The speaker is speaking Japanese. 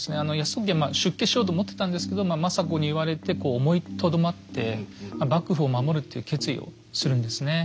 泰時はまあ出家しようと思ってたんですけど政子に言われてこう思いとどまって幕府を守るっていう決意をするんですね。